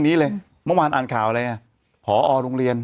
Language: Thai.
มันติดคุกออกไปออกมาได้สองเดือน